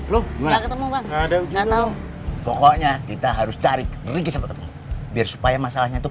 lo ketemu nggak ada yang tahu pokoknya kita harus cari kinergi sebetulnya biar supaya masalahnya tuh